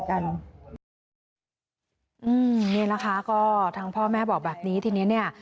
ใช้เงินเหมือนกันอืมนี่แหละค่ะก็ทั้งพ่อแม่บอกแบบนี้ทีนี้เนี่ย